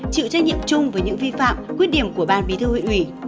chịu trách nhiệm chung với những vi phạm khuyết điểm của ban bí thư huyện ủy